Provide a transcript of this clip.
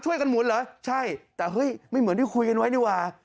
หมุนเหรอใช่แต่เฮ้ยไม่เหมือนที่คุยกันไว้ดีกว่า